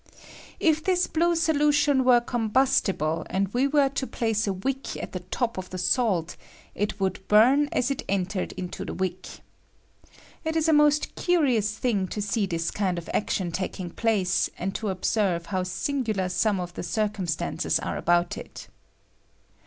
If this blue solution were combustible, and we were to place a wick at the top of the salt, it would bum as it entered into the wick. It is ACTION OF THE SIPHON. 25 a most curimis thing to see thia kind of action taking place, and to observe how singular some of the circumstances are about it.